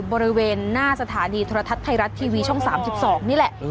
บริเวณหน้าสถานีโทรทัศน์ไทยรัฐทีวีช่อง๓๒นี่แหละ